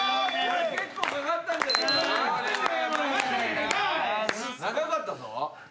長かったぞ。